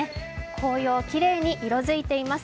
紅葉、きれいに色づいています。